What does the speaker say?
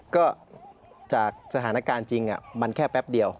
ก็จากสถานการณ์จริงมันแค่แป๊บเดียว